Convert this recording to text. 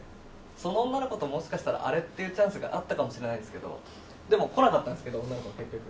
その女の子ともしかしたらあれっていうチャンスがあったかもしれないんですけどでも来なかったんですけど女の子は結局。